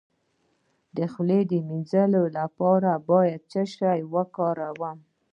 د خولې د مینځلو لپاره باید څه شی وکاروم؟